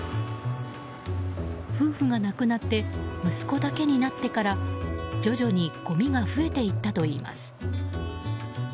夫婦が亡くなって息子だけになってから徐々にごみが増えていったといいます。